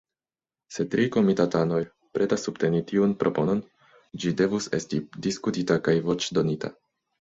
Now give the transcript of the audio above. Se tri komitatanoj pretas subteni tiun proponon, ĝi devus esti diskutita kaj voĉdonita.